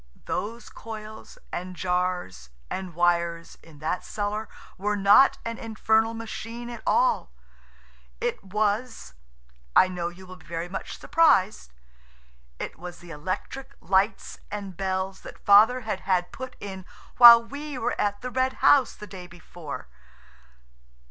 Those coils and jars and wires in that cellar were not an infernal machine at all. It was–I know you will be very much surprised–it was the electric lights and bells that Father had had put in while we were at the Red House the day before.